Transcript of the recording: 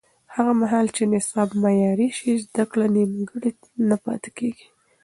هغه مهال چې نصاب معیاري شي، زده کړه نیمګړې نه پاتې کېږي.